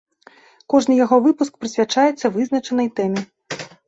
Кожны яго выпуск прысвячаецца вызначанай тэме.